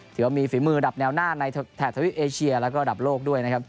ถือว่ามีฝีมือดับแนวหน้าในแถบเทวิกเอเชียและดับโลกด้วย